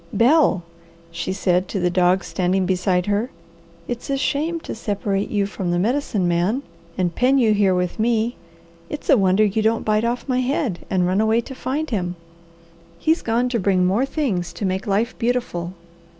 "Bel," she said to the dog standing beside her, "it's a shame to separate you from the Medicine Man and pen you here with me. It's a wonder you don't bite off my head and run away to find him. He's gone to bring more things to make life beautiful.